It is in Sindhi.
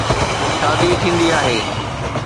شادي ٿيندي آهي.